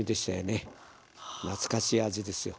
懐かしい味ですよ。